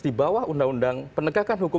di bawah undang undang penegakan hukum